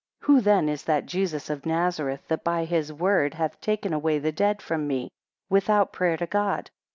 13 Who then is that Jesus of Nazareth that by his word hath taken away the dead from me without prayer to God?